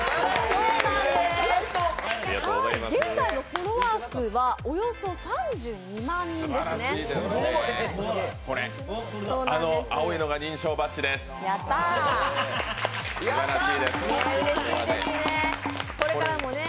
現在のフォロワー数はおよそ３２万人ですね。